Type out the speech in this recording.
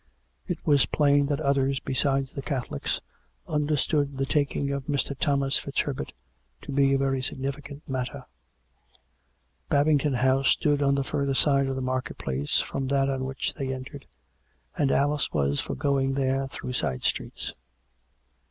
It was 222 COME RACK! COME ROPE! plain that others besides the Catholics understood the taking of Mr. Thomas FitzHerbert to be a very signifi cant matter. Babington House stood on the further side of the market place from that on which they entered, and Alice was for going there through side streets.